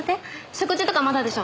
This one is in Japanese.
食事とかまだでしょ？